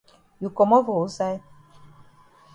You komot for wusaid?